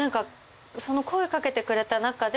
声掛けてくれた中で。